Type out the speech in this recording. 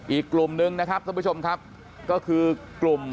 อีกกลุ่มนึงนะครับท่านผู้ชมครับก็คือกลุ่ม